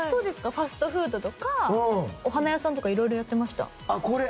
ファストフードとかお花屋さんとか色々やってました。